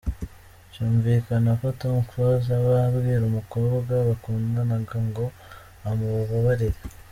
byumvikana ko Tom Close aba abwira umukobwa bakundanaga ngo amubabarire.